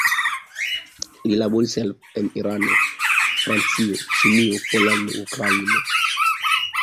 Li laboris en Irano, Francio, Ĉinio, Pollando, Ukrainio.